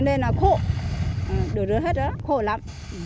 nên là khổ đứa rứa hết đó khổ lắm